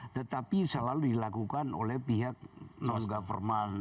tetapi selalu dilakukan oleh pihak non government